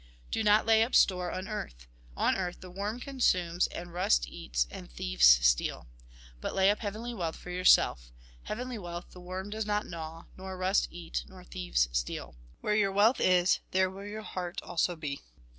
Do not lay up store on earth. On earth, the worm consumes, and rust eats, and thieves steal. But lay up heavenly wealth for yourself. Heavenly wealth the worm does not gnaw, nor rust eat, nor thieves steal. Where your wealth is^ there will your heart also be.